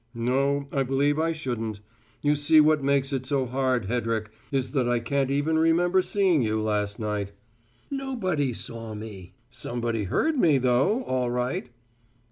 "No, I believe I shouldn't. You see what makes it so hard, Hedrick, is that I can't even remember seeing you, last night." "Nobody saw me. Somebody heard me though, all right."